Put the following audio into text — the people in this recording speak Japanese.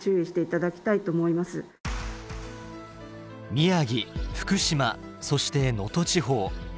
宮城福島そして能登地方。